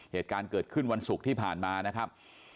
เหตุการณ์เกิดขึ้นวันศุกร์ที่ผ่านมานะครับ